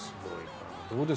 どうです？